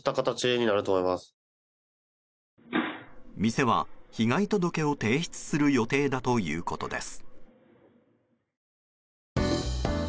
店は被害届を提出する予定だということです。